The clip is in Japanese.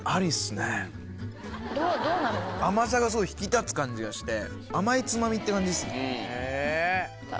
甘さが引き立つ感じがして甘いつまみって感じです。